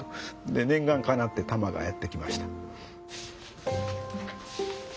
で念願かなってたまがやって来ました。